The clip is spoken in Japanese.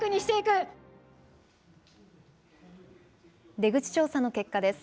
出口調査の結果です。